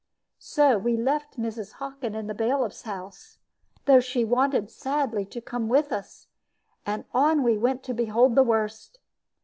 So we left Mrs. Hockin in the bailiff's house, though she wanted sadly to come with us, and on we went to behold the worst.